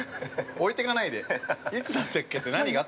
◆置いてかないで。